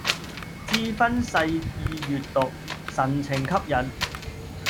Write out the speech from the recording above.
志勳細意閱讀，神情吸引